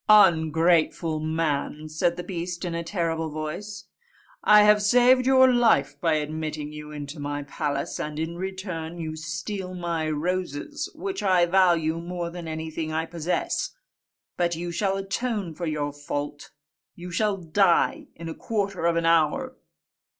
"Ungrateful man!" said the beast in a terrible voice, "I have saved your life by admitting you into my palace, and in return you steal my roses, which I value more than anything I possess. But you shall atone for your fault: you shall die in a quarter of an hour."